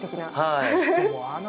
はい。